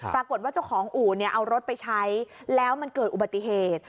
ปรากฏว่าเจ้าของอู่เอารถไปใช้แล้วมันเกิดอุบัติเหตุ